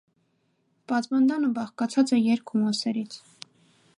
Պատվանդանը բաղկացած է երկու մասերից։